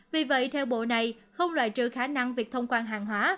vì vậy theo bộ này không loại trừ khả năng việc thông quan hàng hóa